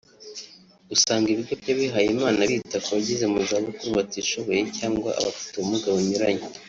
usanga ibigo by’abihaye Imana bita ku bageze mu zabukuru batishoboye cyangwa abafite ubumuga bunyuranye